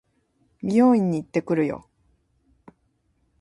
美容院に行ってくるよ。